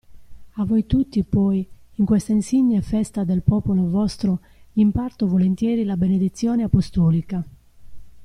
A voi tutti poi, in questa insigne festa del Popolo vostro, imparto volentieri la Benedizione Apostolica.